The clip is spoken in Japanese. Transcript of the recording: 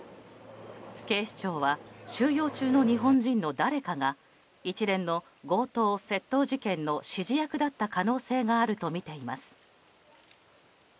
警視庁は収容中の日本人の誰かが一連の強盗・窃盗事件の指示役だった可能性があるとみています。